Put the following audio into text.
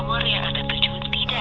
kalian apa kabar